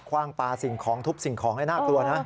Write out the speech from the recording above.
ว่างปลาสิ่งของทุบสิ่งของให้น่ากลัวนะ